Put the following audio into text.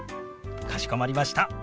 かしこまりました。